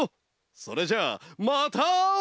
それじゃあまたあおう！